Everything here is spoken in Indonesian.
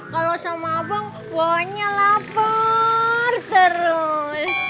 kalau sama abang pokoknya lapar terus